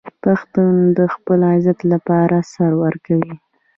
پښتون د خپل عزت لپاره سر ورکوي.